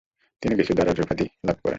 তিনি "গেসু দারাজ" উপাধি লাভ করেন।